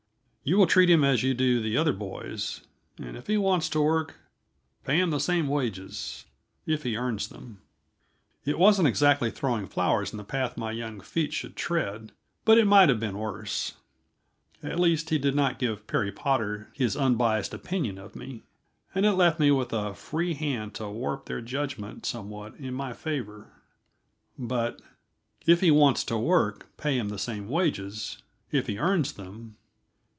You will treat him as you do the other boys, and if he wants to work, pay him the same wages if he earns them. It wasn't exactly throwing flowers in the path my young feet should tread, but it might have been worse. At least, he did not give Perry Potter his unbiased opinion of me, and it left me with a free hand to warp their judgment somewhat in my favor. But "If he wants to work, pay him the same wages if he earns them."